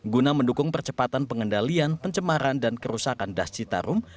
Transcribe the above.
guna mendukung percepatan pengendalian pencemaran dan kerusakan das citarum